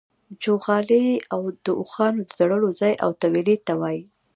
چوغالی د اوښانو د تړلو ځای او تویلې ته وايي.